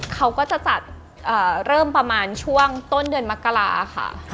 เขาก็จะจัดเริ่มประมาณช่วงต้นเดือนมกราค่ะ